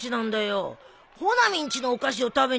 穂波んちのお菓子を食べに行くのに。